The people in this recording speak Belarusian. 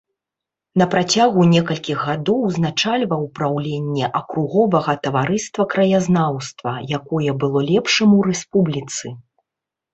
На працягу некалькіх гадоў узначальваў праўленне акруговага таварыства краязнаўства, якое было лепшым у рэспубліцы.